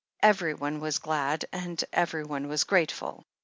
Everyone was glad, and everyone was grateful.